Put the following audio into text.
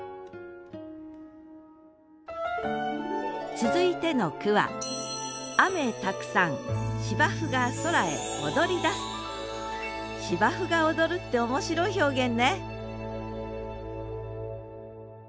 続いての句は芝生が踊るって面白い表現ね